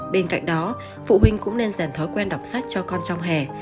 bên cạnh đó phụ huynh cũng nên dần thói quen đọc sách cho con trong hè